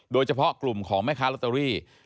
โดยเฉพาะกลุ่มของแม่ค้าลอตเตอรี่